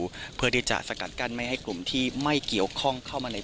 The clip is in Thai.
เพื่อที่จะสกัดกั้นไม่ให้กลุ่มที่ไม่เกี่ยวข้องเข้ามาใน